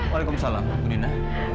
waalaikumsalam ibu nena